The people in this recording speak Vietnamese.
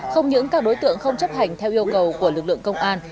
không những các đối tượng không chấp hành theo yêu cầu của lực lượng công an